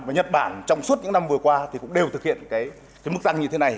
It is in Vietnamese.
nhật bản trong suốt những năm vừa qua cũng đều thực hiện mức tăng như thế này